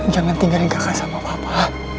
jangan tinggalkan sama papa